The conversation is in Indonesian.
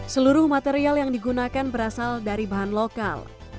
seluruh material yang digunakan berasal dari bahan lokal